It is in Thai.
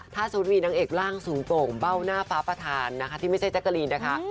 ถ้าสมมุติมีนางเอกร่างสูงโป่งเบ้าหน้าฟ้าประธานนะคะที่ไม่ใช่แจ๊กกะลีนนะคะ